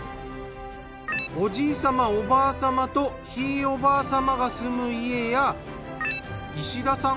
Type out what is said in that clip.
おじい様おばあ様とひいおばあ様が住む家や石田さん